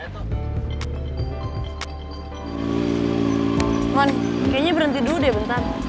oh kayaknya berhenti dulu deh bentar